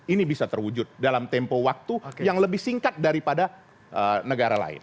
ini bisa terwujud dalam tempo waktu yang lebih singkat daripada negara lain